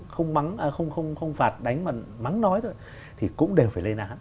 không phạt đánh mà mắng nói thôi thì cũng đều phải lên án